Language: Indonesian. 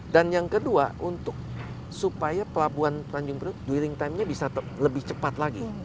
dan yang kedua untuk supaya pelabuhan tanjung puryoko dwelling timenya bisa lebih cepat lagi